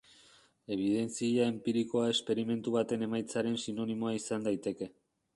Ebidentzia enpirikoa esperimentu baten emaitzaren sinonimoa izan daiteke.